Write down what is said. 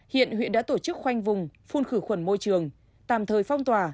hiện huyện đã tổ chức khoanh vùng phun khử khuẩn môi trường tạm thời phong tỏa